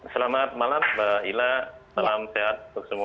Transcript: selamat malam mbak ila selamat malam sehat untuk semua